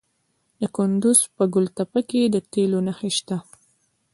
د کندز په ګل تپه کې د تیلو نښې شته.